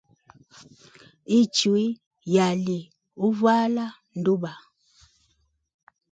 Ichwi yali uvala nduba.